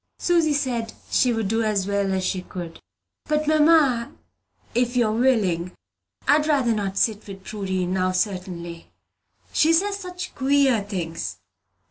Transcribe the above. Susy said she would do as well as she could. "But, mamma, if you are willing, I'd rather not sit with Prudy, now, certainly. She says such queer things.